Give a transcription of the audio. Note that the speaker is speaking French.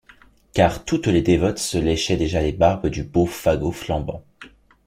Car toutes les dévotes se léchaient déjà les barbes du beau fagot flambant.